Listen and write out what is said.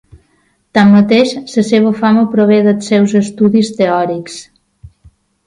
Tanmateix la seva fama prové dels seus estudis teòrics.